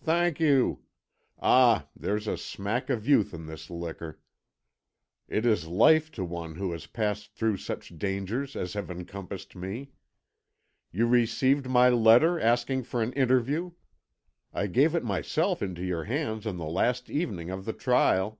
Thank you. Ah, there's a smack of youth in this liquor. It is life to one who has passed through such dangers as have encompassed me. You received my letter asking for an interview? I gave it myself into your hands on the last evening of the trial."